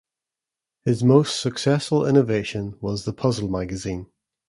His most successful innovation was the puzzle magazine.